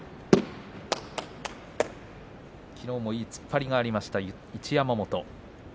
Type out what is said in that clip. きのうもいい突っ張りがありました一山本。